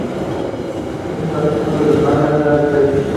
En un capítulo del manga de Zatch Bell!